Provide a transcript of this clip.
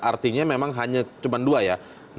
artinya memang hanya cuma dua ya